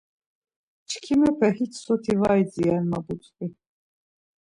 Çkimepe hiç soti var idziren ma butzvi.